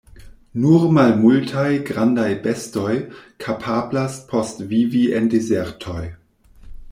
Nur malmultaj grandaj bestoj kapablas postvivi en dezertoj.